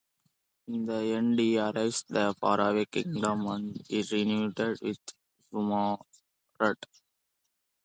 In the end he arrives at the far-away kingdom and is reunited with Zumurrud.